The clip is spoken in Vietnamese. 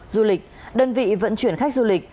du lịch đơn vị vận chuyển khách du lịch